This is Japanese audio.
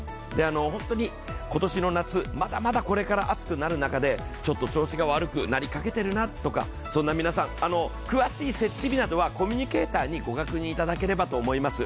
本当に今年の夏、まだまだこれから暑くなる中でちょっと調子が悪くなりかけてるなとか、そんな皆さん、詳しい設置日などはコミュニケーターなどにご確認いただければと思います。